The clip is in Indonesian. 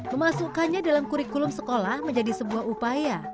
memasukkannya dalam kurikulum sekolah menjadi sebuah upaya